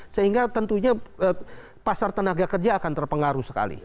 sehingga tentunya pasar tenaga kerja akan terpengaruh sekali